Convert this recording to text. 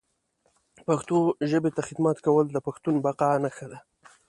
پښتو ژبي ته خدمت کول د پښتون بقا نښه ده